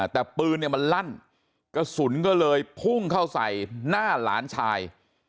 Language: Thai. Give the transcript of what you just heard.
แต่ปืนเนี่ยมันลั่นกระสุนก็เลยพุ่งเข้าใส่หน้าหลานชาย